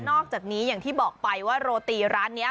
อกจากนี้อย่างที่บอกไปว่าโรตีร้านนี้